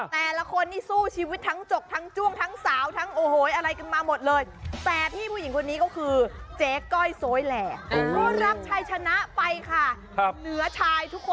เปิดให้ที่เป็นบุญภัย